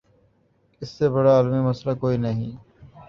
اس سے بڑا عالمی مسئلہ کوئی نہیں۔